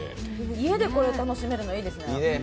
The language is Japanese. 家でこれ楽しめるのいいですね。